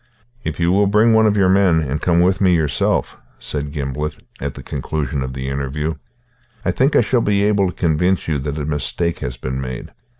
"If you will bring one of your men, and come with me yourself," said Gimblet, at the conclusion of the interview, "I think I shall be able to convince you that a mistake has been made.